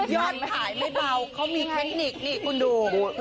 ยอดขายไม่เบาเขามีเทคนิคนี่คุณดู